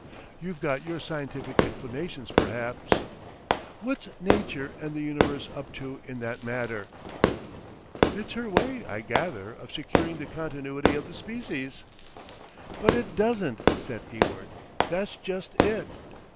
You've got your scientific explanations perhaps; what's Nature and the universe up to in that matter?" "It's her way, I gather, of securing the continuity of the species." "But it doesn't," said Ewart. "That's just it!